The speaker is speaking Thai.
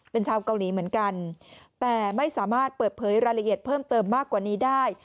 เป็นชาวเกาหลีเหมือนกันแต่ไม่สามารถเปิดเผยรายละเอียดเพิ่มเติมมากกว่านี้ได้